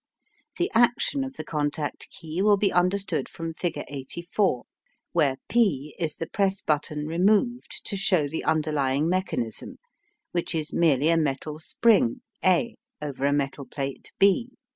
The action of the contact key will be understood from figure 84, where P is the press button removed to show the underlying mechanism, which is merely a metal spring A over a metal plate B.